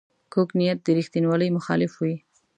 کوږ نیت د ریښتینولۍ مخالف وي